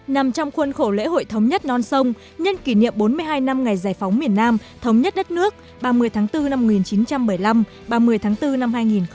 nằm trong khuôn khổ lễ hội thống nhất non sông nhân kỷ niệm bốn mươi hai năm ngày giải phóng miền nam thống nhất đất nước ba mươi tháng bốn năm một nghìn chín trăm bảy mươi năm ba mươi tháng bốn năm hai nghìn hai mươi